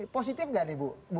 positif nggak nih bu